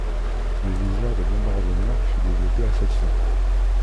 Le viseur de bombardement fut développé à cette fin.